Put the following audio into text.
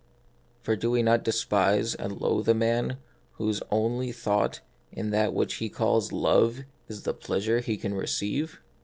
For do we not despise and loathe a man whose only thought in that which he calls love is of the pleasure he can receive